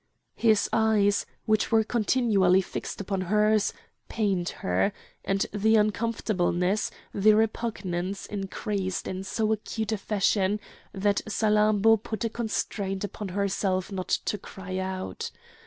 His eyes, which were continually fixed upon hers, pained her; and the uncomfortableness, the repugnance increased in so acute a fashion that Salammbô put a constraint upon herself not to cry out.